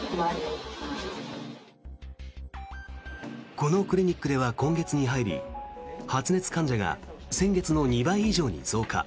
このクリニックでは今月に入り発熱患者が先月の２倍以上に増加。